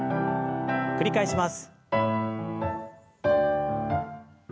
繰り返します。